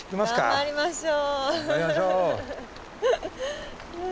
頑張りましょう。